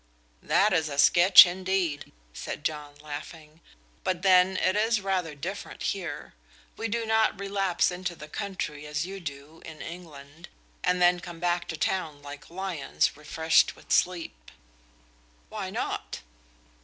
"That is a sketch indeed," said John, laughing. "But then it is rather different here. We do not relapse into the country as you do in England, and then come back to town like lions refreshed with sleep." "Why not?"